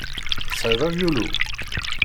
Tesεiḍ avyulu?